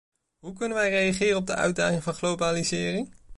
Hoe kunnen wij reageren op de uitdaging van de globalisering?